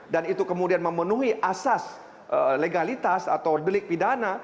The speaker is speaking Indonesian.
dan itu kemudian memenuhi asas legalitas atau delik pidana